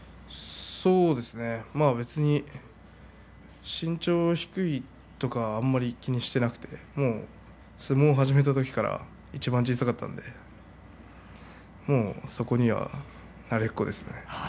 そうですねまあ別に身長が低いとかはあまり気にしていなくて相撲を始めた時からいちばん小さかったのでもうそこには慣れっこですね。